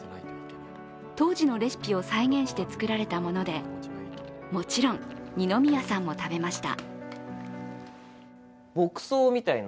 当時のレシピを再現して作られたものでもちろん二宮さんも食べました。